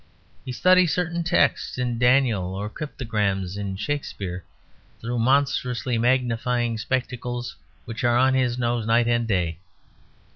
He studies certain texts in Daniel or cryptograms in Shakespeare through monstrously magnifying spectacles, which are on his nose night and day.